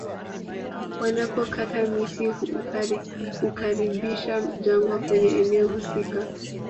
Wanapokata miti hukaribisha jangwa kwenye eneo husika